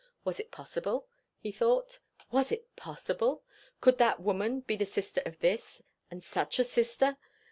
Was it possible? he thought; was it possible? Could that woman be the sister of this? and such a sister?